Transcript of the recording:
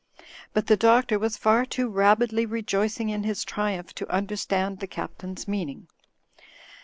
But the Doctor was far too rabidly rejoicing in his triumph to under stand the Captain's meaning.